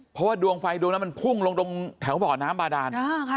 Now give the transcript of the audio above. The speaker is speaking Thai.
เพราะว่าดวงไฟดวงนั้นมันพุ่งลงตรงแถวบ่อน้ำบาดาน